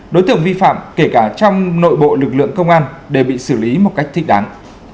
đối tượng vi phạm kể cả trong nội bộ lực lượng công an đều bị xử lý một cách thích đáng